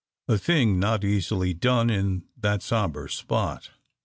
A thing not easily done in that sombre spot.